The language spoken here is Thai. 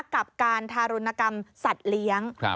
กับการทารุณกรรมสัตว์เลี้ยง